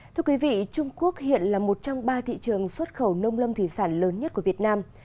thưa quý vị trung quốc hiện là một trong ba thị trường xuất khẩu nông lâm thủy sản lớn nhất của việt nam